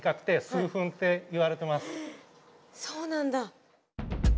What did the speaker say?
そうなんだ。